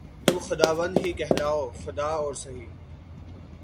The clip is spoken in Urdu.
تم خداوند ہی کہلاؤ‘ خدا اور سہی